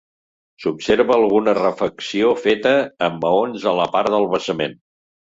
S'observa alguna refecció feta amb maons a la part del basament.